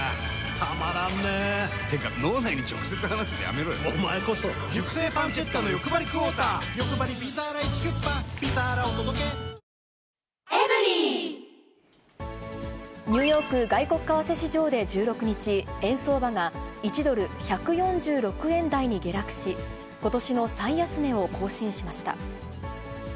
めまいにはオレンジの漢方セラピーニューヨーク外国為替市場で１６日、円相場が１ドル１４６円台に下落し、ことしの最安値を更新しました。